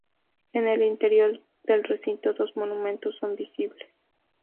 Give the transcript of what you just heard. En el interior del recinto, dos monumentos son visibles.